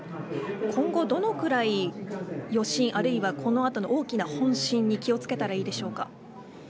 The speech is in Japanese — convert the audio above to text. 今後、どのくらい余震あるいはこの後の大きな本震に気を付けたらいいでしょうか。